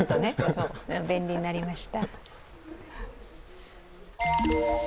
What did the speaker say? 便利になりました。